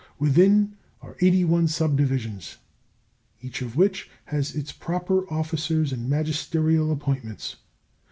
Within are eighty one subdivisions, each of which has its proper officers and magisterial appointments.